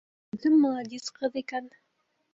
Гөлйөҙөм маладис ҡыҙ икән!